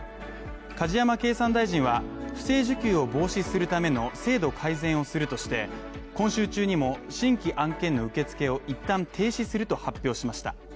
梶山経産大臣は不正受給を防止するための制度改善をするとして、今週中にも新規案件の受付を一旦停止すると発表しました。